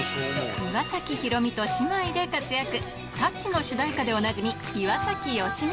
岩崎宏美と姉妹で活躍、タッチの主題歌でおなじみ、岩崎良美。